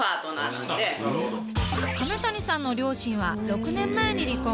亀谷さんの両親は６年前に離婚。